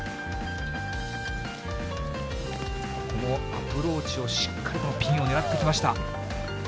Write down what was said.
アプローチをしっかりと、ピンを狙っていきました。